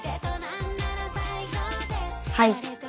はい。